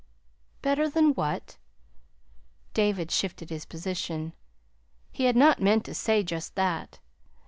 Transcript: "Better than what?" David shifted his position. He had not meant to say just that.